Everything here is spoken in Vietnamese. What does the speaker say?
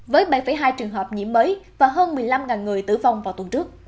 với bảy hai trường hợp nhiễm mới và hơn một mươi năm người tử vong vào tuần trước